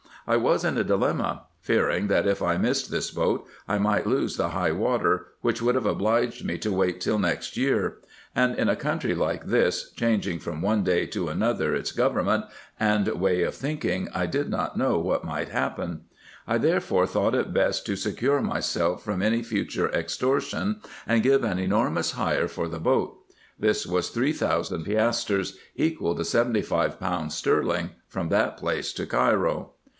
I was in a dilemma, fearing, that, if I missed this boat, I might lose the high water, which wovdd have obliged me to wait till next year ; and in a country like this, changing from one day to another its government and way of thinking, I did not know what might happen. I therefore thought it best to secure myself from any future extortion, and give an enormous hire for the boat. This was tliree thousand piastres, equal to seventy five pounds sterling, from that place to Cairo.